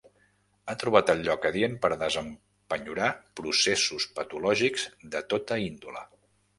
Ha trobat el lloc adient per desempenyorar processos patològics de tota índole.